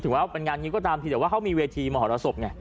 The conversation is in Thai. ว่าเป็นงานงิ้วก็ตามทีแต่ว่าเขามีเวทีมหรสบไง